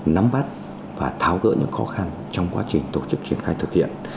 nắm bắt và tháo gỡ những khó khăn trong quá trình tổ chức triển khai thực hiện